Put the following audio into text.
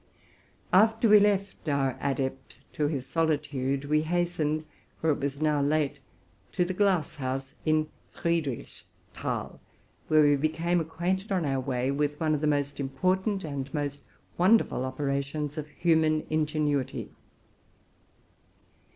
After we had left our adept to his solitude, we hastened — for it was now late —to the glass house in Friedrichsthal, where we became acquainted, on our way, with one of the most important and most wonderful operations of human ingenuity.